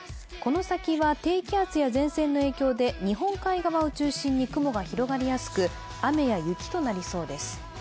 この先は低気圧や前線の影響で日本海側を中心に雨や雪となりそうです。